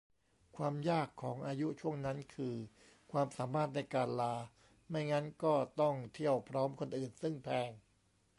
ความยากของอายุช่วงนั้นคือความสามารถในการลา ไม่งั้นก็ต้องเที่ยวพร้อมคนอื่น ซึ่งแพง